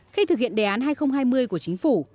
khi thực hiện đề án hai nghìn hai mươi của chính phủ